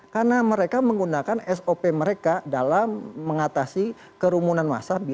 karena mereka menggunakan sop mereka dalam mengatasi kerumunan masa